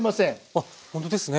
あっほんとですね。